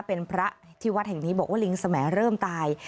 เป็นพระที่วัดแห่งนี้บอกว่าลิงสมเริ่มตาย